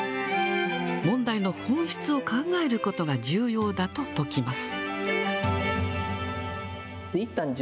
問題の本質を考えることが重要だと説きます。